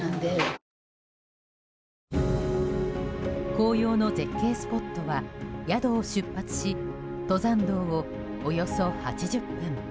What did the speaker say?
紅葉の絶景スポットは宿を出発し登山道を、およそ８０分。